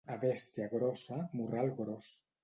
A bèstia grossa, morral gros.